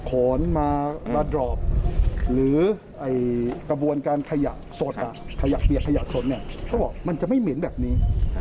ก็ว่ามันจะไม่เหม็นแบบนี้